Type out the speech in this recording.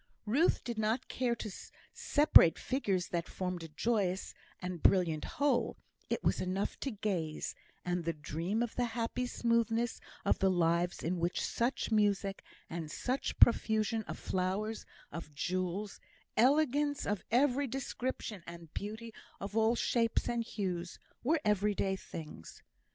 Ruth did not care to separate the figures that formed a joyous and brilliant whole; it was enough to gaze, and dream of the happy smoothness of the lives in which such music, and such profusion of flowers, of jewels, elegance of every description, and beauty of all shapes and hues, were everyday things.